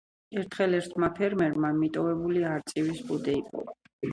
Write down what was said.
ერთხელ ერთმა ფერმერმა მიტოვებული არწივის ბუდე იპოვა.